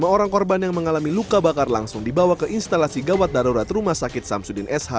lima orang korban yang mengalami luka bakar langsung dibawa ke instalasi gawat darurat rumah sakit samsudin sh